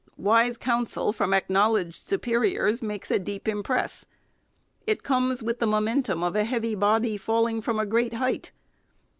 Wise counsel from acknowledged superiors makes a deep impress. It comes with the momentum of a heavy body, falling from a great height.